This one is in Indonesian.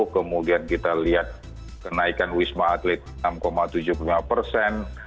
kemudian kita lihat kenaikan wisma atlet enam tujuh puluh lima persen